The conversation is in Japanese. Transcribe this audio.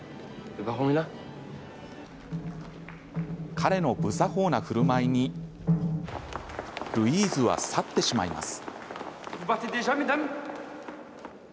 彼の不作法なふるまいにルイーズは去ってしまいます。